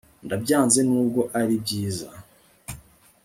Ndabyanze nubwo ari byiza